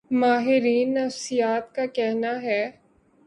ماہرین نفسیات کا کہنا ہے